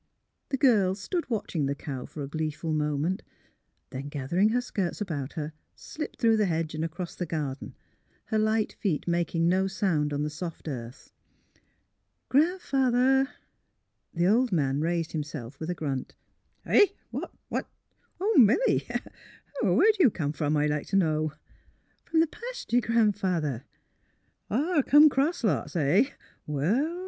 The girl stood watching the cow for a gleeful moment; then, gathering her skirts about her, slipped through the hedge and across "the garden, her light feet making no sound on the soft earth. '' Gran 'father! " The old man raised himself with a grunt. *' Eh!— What? Why, Milly!— Where 'd you come f'om, I'd like t' know? "'' From the pasture. Gran 'father." '' Come cross lots. — Eh? Well, well!